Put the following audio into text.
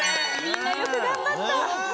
みんなよくがんばった。